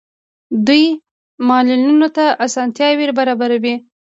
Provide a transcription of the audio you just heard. دوی معلولینو ته اسانتیاوې برابروي.